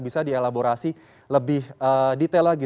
bisa dielaborasi lebih detail lagi